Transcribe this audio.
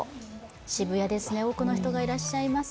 渋谷ですね、多くの人がいらっしゃいます。